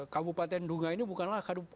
kabupaten dunga ini bukanlah